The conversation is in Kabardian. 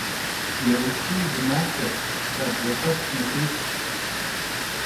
Yêuşiy zı maxueş, xabze hexu maxuişş.